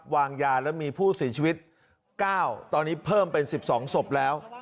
วางยาแล้วมีผู้เสียชีวิต๙ตอนนี้เพิ่มเป็น๑๒ศพแล้ว